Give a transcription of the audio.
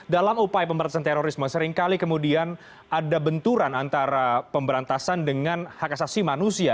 dalam upaya pemberantasan terorisme seringkali kemudian ada benturan antara pemberantasan dengan hak asasi manusia